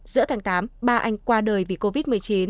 giữa tháng tám ba anh qua đời vì covid một mươi chín